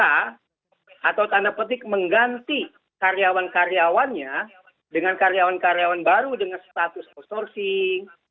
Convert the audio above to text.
atau tanda petik mengganti karyawan karyawannya dengan karyawan karyawan baru dengan status outsourcing